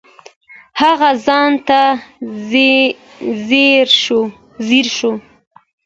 هغه ځان ته ځیر شو.